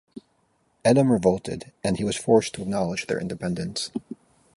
Edom revolted, and he was forced to acknowledge their independence.